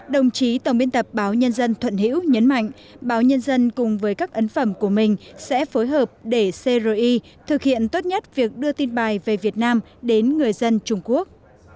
đồng chí tổng biên tập báo nhân dân thuận hữu nhấn mạnh báo nhân dân cùng với các ấn phẩm của mình sẽ phối hợp để cri thực hiện tốt nhất việc đưa tin bài về việt nam đến người dân trung quốc